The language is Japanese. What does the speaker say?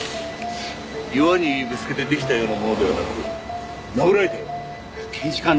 岩にぶつけて出来たようなものではなく殴られたような。